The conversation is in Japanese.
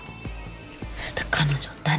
そして彼女誰？